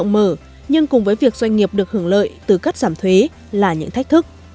cảnh cửa của cptpp đã rộng mở nhưng cùng với việc doanh nghiệp được hưởng lợi từ cắt giảm thuế là những thách thức